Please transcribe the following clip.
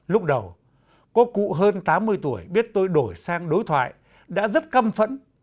lúc đầu có cụ hơn tám mươi tuổi biết tôi đổi sang đối thoại đã rất căm phẫn